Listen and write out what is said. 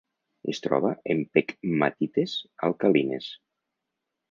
Es troba en pegmatites alcalines.